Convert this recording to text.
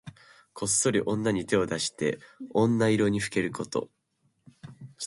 こっそり女に手を出して女色にふけること。